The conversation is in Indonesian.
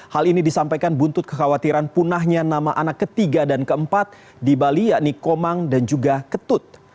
hal ini disampaikan buntut kekhawatiran punahnya nama anak ketiga dan keempat di bali yakni komang dan juga ketut